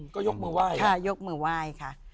ก็ยกมือไหว้ค่ะยกมือไหว้ค่ะ